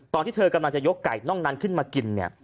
ตอนที่เธอกำลังจะยกไก่น่องนั้นขึ้นมากินเนี่ย